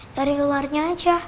dari luarnya aja